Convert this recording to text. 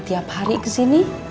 tiap hari kesini